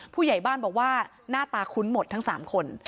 ผู้ใหญ่บ้านบอกว่าหน้าตาคุ้นหมดทั้ง๓คน